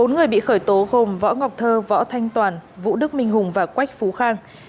bốn người bị khởi tố gồm võ ngọc thơ võ thanh toàn vũ đức minh hùng và quách phú khang